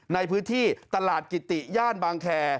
ในพื้นที่ตลาดกิติย่านบางแคร์